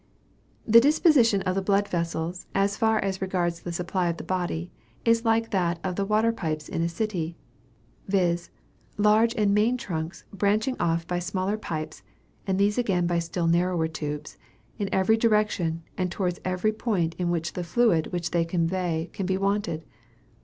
"The disposition of the blood vessels, as far as regards the supply of the body, is like that of the water pipes in a city, viz. large and main trunks branching off by smaller pipes (and these again by still narrower tubes) in every direction and towards every part in which the fluid which they convey can be wanted.